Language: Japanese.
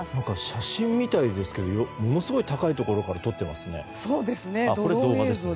写真みたいですけどものすごい高いところから撮ってますね。